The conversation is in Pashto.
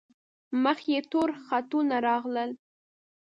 مخ یې تور خطونه راغلل.